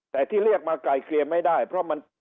แต่ที่เรียกมาไกลเกลี่ยไม่ได้เพราะมัน